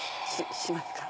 しますか？